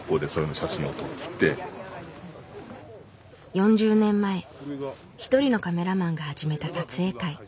４０年前一人のカメラマンが始めた撮影会。